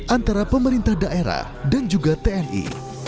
antara pemerintah daerah dan juga tni